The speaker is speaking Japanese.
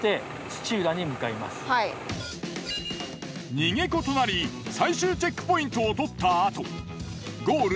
逃げ子となり最終チェックポイントを取ったあとゴール